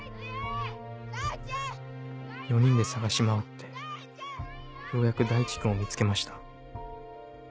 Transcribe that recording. ４人で捜し回ってようやく大地君を見つけました。